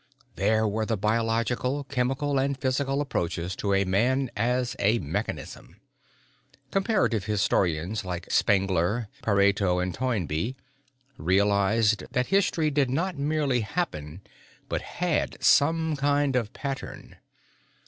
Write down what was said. There were the biological, chemical and physical approaches to man as a mechanism. Comparative historians like Spengler, Pareto and Toynbee realized that history did not merely happen but had some kind of pattern.